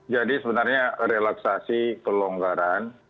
jadi sebenarnya relaksasi pelonggaran